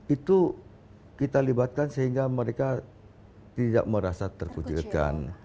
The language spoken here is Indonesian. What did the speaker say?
itu kita libatkan sehingga mereka tidak merasa terkucilkan